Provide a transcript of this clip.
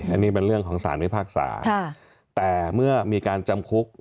อันนี้เป็นเรื่องของสารพิพากษาแต่เมื่อมีการจำคุก